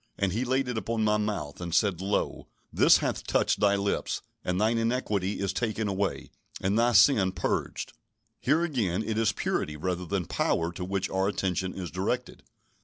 And he laid it upon my mouth, and said, Lo, this hath touched thy lips; and thine iniquity is taken away, and thy sin purged." Here again, it is purity rather than power to which our attention is directed.